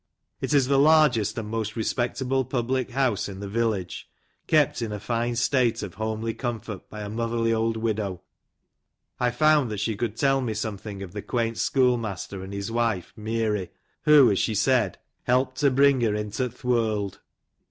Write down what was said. It is the largest and most respectable public house in the village, kept in a fine state of homely comfort by a motherly old widow. I found that she could tell me something of the quaint schoolmaster and his wife " Meary," who, as she said, " helped to bring her into th' world."